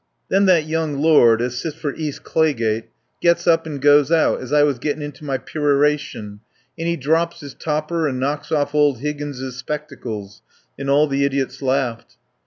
Then that young lord as sits for East Clay gate gets up and goes out as I was gettin' into my peroration, and he drops his topper and knocks off old Higgins's spectacles, and all the idiots laughed.